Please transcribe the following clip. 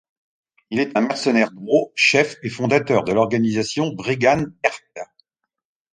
Il est un mercenaire drow, chef et fondateur de l’organisation Bregan D'aerthe.